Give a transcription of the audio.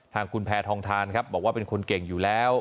ทางคุณแพทองทานครับบอกว่าเป็นคนเก่งอยู่แล้ว